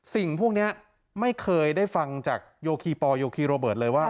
สิ่งพวกนี้ไม่เคยได้ฟังจากโยคีปอลโยคีโรเบิร์ตเลยว่า